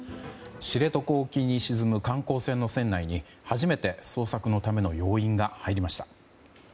知床沖に沈む観光船の船内に始めて捜索のための要員が入りました。